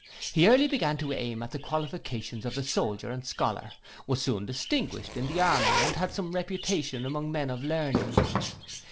He early began to aim at the qualifications of the soldier and scholar; was soon distinguished in the army and had some reputation among men of learning.